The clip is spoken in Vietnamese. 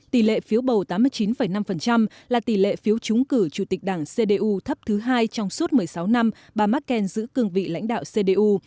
tỷ lệ phiếu bầu tám mươi chín năm là tỷ lệ phiếu trúng cử chủ tịch đảng cdu thấp thứ hai trong suốt một mươi sáu năm bà merkel giữ cương vị lãnh đạo cdu